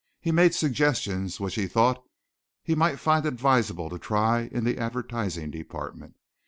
He made suggestions which he thought he might find advisable to try in the advertising department.